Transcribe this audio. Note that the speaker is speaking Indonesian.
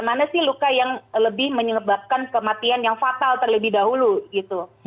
mana sih luka yang lebih menyebabkan kematian yang fatal terlebih dahulu gitu